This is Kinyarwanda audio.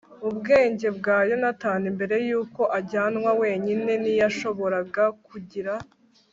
ubwenge bwa yonatani mbere yuko ajyanwa wenyine. ntiyashoboraga kugira